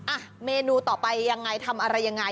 อ่ะเมนูต่อไปยังไงทำอะไรยังไง